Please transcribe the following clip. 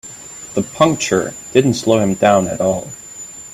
The puncture didn't slow him down at all.